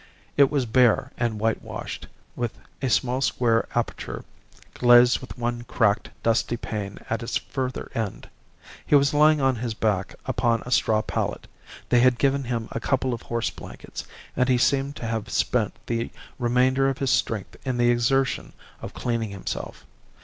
It was bare and whitewashed, with a small square aperture glazed with one cracked, dusty pane at its further end. He was lying on his back upon a straw pallet; they had given him a couple of horse blankets, and he seemed to have spent the remainder of his strength in the exertion of cleaning himself.